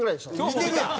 見てるやん！